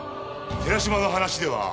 寺島の話では。